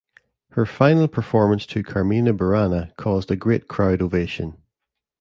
Her final performance to Carmina Burana caused a great crowd ovation.